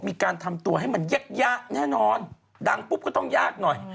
มีการทำตัวให้มันเยอะแน่นอนดังปุ๊บก็ต้องยากหน่อย